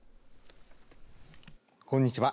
こんにちは。